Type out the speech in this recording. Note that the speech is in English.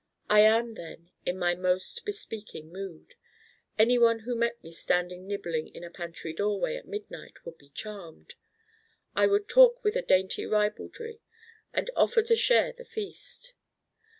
I am then in my most bespeaking mood. Anyone who met me standing nibbling in a pantry doorway at midnight would be charmed. I would talk with a dainty ribaldry and offer to share the feast.